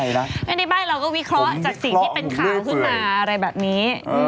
ไม่ได้ใบ้เราก็วิเคราะห์จากสิ่งที่เป็นข่าวขึ้นมาอะไรแบบนี้